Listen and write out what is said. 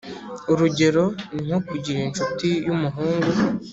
urugero ni nko kugira inshuti y’umuhungu.